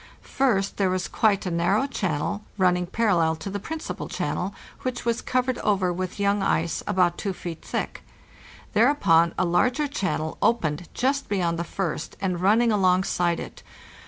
First there was quite a narrow channel, running parallel to the principal channel, which was covered over with young ice about 2 feet thick. There upon a larger channel opened just beyond the first and running alongside it.